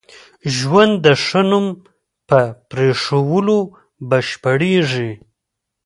ژوند د ښه نوم په پرېښوولو بشپړېږي.